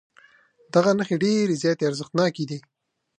دغه نښې ډېرې زیاتې ارزښتناکې دي.